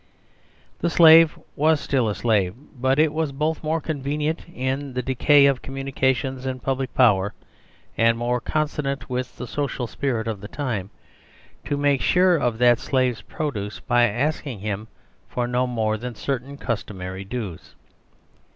The Slave was still a Slave, but it was both more convenient in thedecay of communicationsandpublic power, and more consonant with the social spirit of the time to make sure of that Slave's produce by ask 43 THE SERVILE STATE ing him for no more than certain customary dues.